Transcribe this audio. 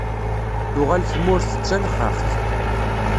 Tuɣal tmurt d talexxaxt.